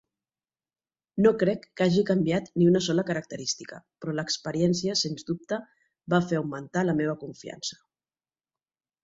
No crec que hagi canviat ni una sola característica, però l'experiència sens dubte va fer augmentar la meva confiança.